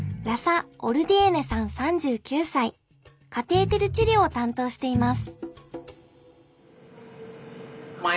カテーテル治療を担当しています。